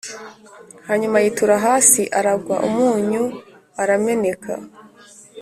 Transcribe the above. hanyuma yitura hasi aragwa, umunyu urameneka: